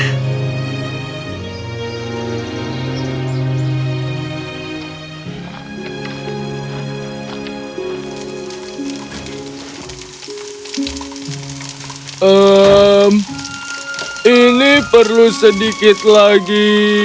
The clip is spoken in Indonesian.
hmm ini perlu sedikit lagi